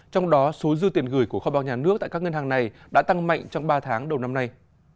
trong đó số dư tiền gửi của kho báo nhà nước tại các ngân hàng này đã tăng mạnh trong ba tháng đầu năm nay